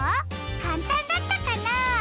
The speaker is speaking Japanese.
かんたんだったかな？